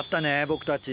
僕たち。